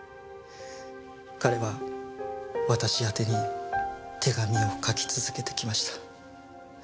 彼は私宛てに手紙を書き続けてきました。